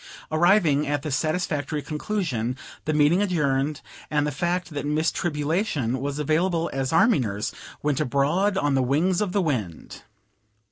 Arriving at this satisfactory conclusion, the meeting adjourned, and the fact that Miss Tribulation was available as army nurse went abroad on the wings of the wind.